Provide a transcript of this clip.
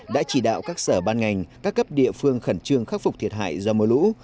đã chỉ đạo các sở ban ngành các cấp địa phương khẩn trương khắc phục thiệt hại do mưa lũ